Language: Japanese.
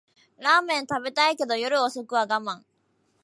ラーメン食べたいけど夜遅くは我慢